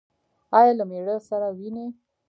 ایا له میړه سره وینئ؟